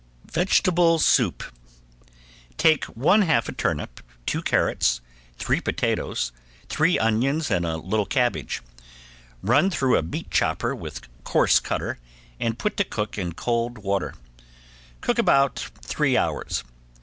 ~VEGETABLE SOUP~ Take one half a turnip, two carrots, three potatoes, three onions and a little cabbage. Run through a meat chopper with coarse cutter and put to cook in cold water. Cook about three hours.